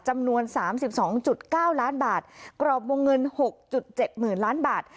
จำนวนสามสิบสองจุดเก้าล้านบาทกรอบวงเงินหกจุดเจ็บหมื่นล้านบาท